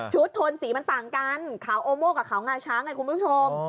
โทนสีมันต่างกันขาวโอโม่กับเขางาช้างไงคุณผู้ชม